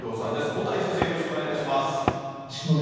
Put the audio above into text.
もたい先生、よろしくお願いします。